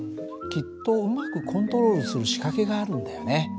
きっとうまくコントロールする仕掛けがあるんだよね。